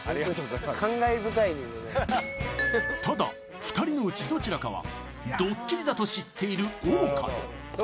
ただ２人のうちどちらかはドッキリだと知っているオオカミ